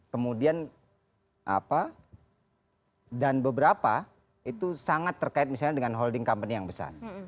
kemudian apa dan beberapa itu sangat terkait misalnya dengan holding company yang besar